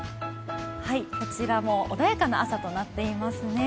こちらも穏やかな朝となっていますね。